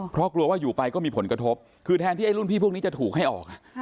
เพราะกลัวว่าอยู่ไปก็มีผลกระทบคือแทนที่ไอ้รุ่นพี่พวกนี้จะถูกให้ออก